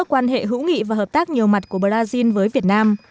quan hệ hữu nghị và hợp tác nhiều mặt của brazil với việt nam